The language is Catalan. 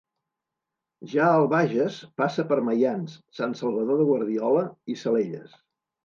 Ja al Bages, passa per Maians, Sant Salvador de Guardiola i Salelles.